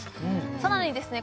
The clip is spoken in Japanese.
さらにですね